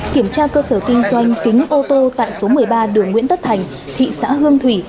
kiểm tra cơ sở kinh doanh kính ô tô tại số một mươi ba đường nguyễn tất thành thị xã hương thủy